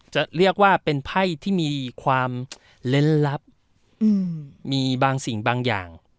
จะเรียกว่าเป็นไพ่ที่มีความเล่นลับมีบางสิ่งบางอย่าง